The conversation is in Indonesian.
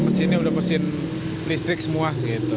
mesinnya udah bersih listrik semua